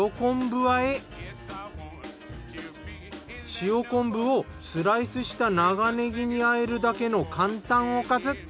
塩昆布をスライスした長ねぎに和えるだけの簡単おかず。